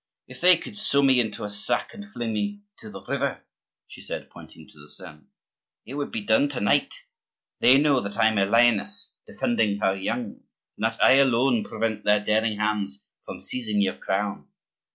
If they could sew me into a sack and fling me into the river," she said, pointing to the Seine, "it would be done to night. They know that I am a lioness defending her young, and that I alone prevent their daring hands from seizing your crown.